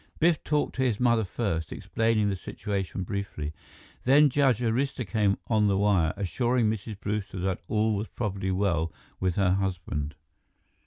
Biff talked to his mother first, explaining the situation briefly. Then Judge Arista came on the wire, assuring Mrs. Brewster that all was probably well with her husband.